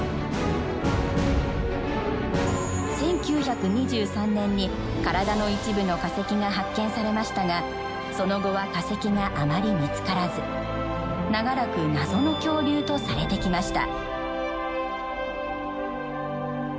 １９２３年に体の一部の化石が発見されましたがその後は化石があまり見つからず長らく謎の恐竜とされてきました。